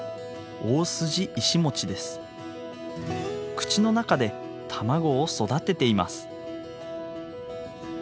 口の中で卵を育てています。